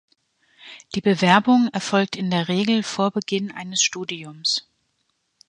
Die Bewerbung erfolgt in der Regel vor Beginn eines Studiums.